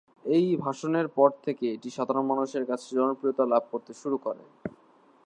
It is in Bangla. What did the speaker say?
এই ভাষণের পর থেকে এটি সাধারণ মানুষের কাছে জনপ্রিয়তা লাভ করতে শুরু করে।